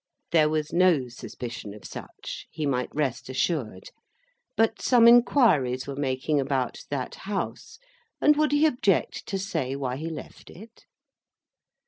There was no suspicion of such, he might rest assured. But, some inquiries were making about that House, and would he object to say why he left it?